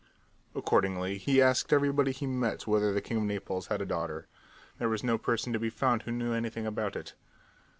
Accordingly, he asked everybody he met whether the king of Naples had a daughter. There was no person to be found who knew anything about it.